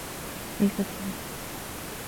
ليست هي.